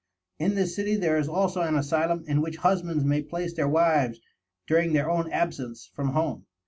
In this city there is also an asylum in which husbands may place their wives during their own absence from home.